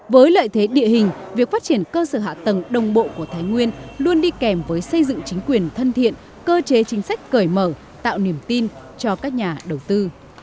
với lợi thế địa hình việc phát triển cơ sở hạ tầng đồng bộ của thái nguyên luôn đi kèm với xây dựng chính quyền thân thiện cơ chế chính sách cởi mở tạo niềm tin cho các nhà đầu tư